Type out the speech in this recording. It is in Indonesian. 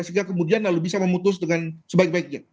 sehingga kemudian lalu bisa memutus dengan sebaik baiknya